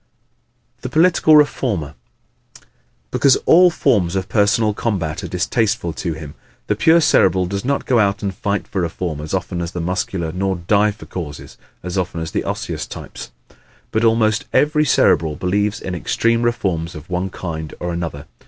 The Political Reformer ¶ Because all forms of personal combat are distasteful to him the pure Cerebral does not go out and fight for reform as often as the Muscular nor die for causes as often as the Osseous types. But almost every Cerebral believes in extreme reforms of one kind or another.